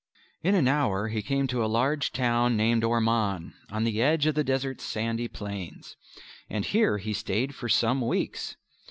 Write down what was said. In an hour he came to a large town named Orman on the edge of the desert sandy plains; and here he stayed for some weeks.